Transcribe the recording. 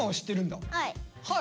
はい。